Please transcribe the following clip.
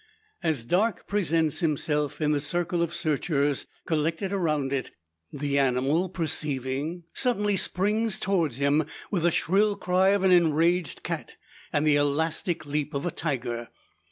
As Darke presents himself in the circle of searchers collected around it, the animal perceiving, suddenly springs towards him with the shrill cry of an enraged cat, and the elastic leap of a tiger!